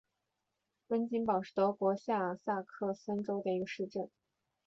温岑堡是德国下萨克森州的一个市镇。